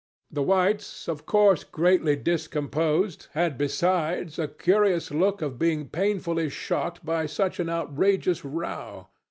The whites, of course greatly discomposed, had besides a curious look of being painfully shocked by such an outrageous row.